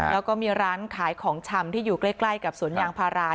แล้วก็มีร้านขายของชำที่อยู่ใกล้กับสวนยางพารา